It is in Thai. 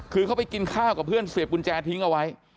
คือเขาไปกินข้าวกับเพื่อนเสียบกุญแจทิ้งเอาไว้